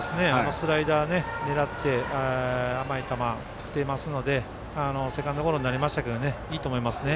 スライダー狙って甘い球、振っていますのでセカンドゴロになりましたけどいいと思いますね。